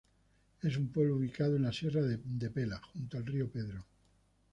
Es un pueblo ubicado en la Sierra de Pela, junto al río Pedro.